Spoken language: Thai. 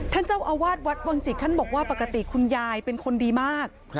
ท่านเจ้าอาวาสวัดวังจิกท่านบอกว่าปกติคุณยายเป็นคนดีมาก